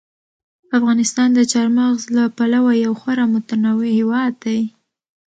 افغانستان د چار مغز له پلوه یو خورا متنوع هېواد دی.